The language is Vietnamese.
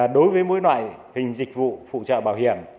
đối với mỗi loại hình dịch vụ phụ trợ bảo hiểm